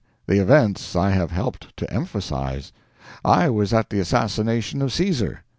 the events I have helped to emphasise! I was at the assassination of Caesar.